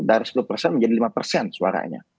dari sepuluh menjadi lima suaranya